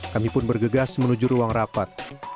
kami pun bergegas menuju ruang rapat